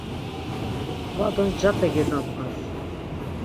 Kva do ncape gegabğas!